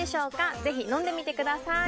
ぜひ飲んでみてください